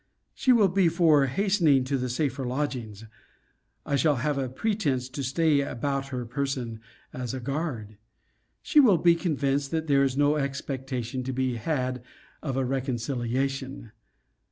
She will be for hastening to the safer lodgings. I shall have a pretence to stay about her person, as a guard. She will be convinced that there is no expectation to be had of a reconciliation.